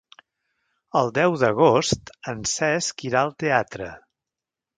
El deu d'agost en Cesc irà al teatre.